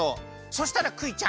そしたらクイちゃん